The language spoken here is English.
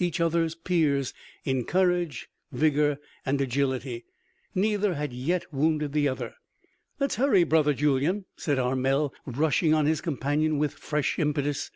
Each other's peers in courage, vigor and agility, neither had yet wounded the other. "Let's hurry, brother Julyan!" said Armel rushing on his companion with fresh impetus.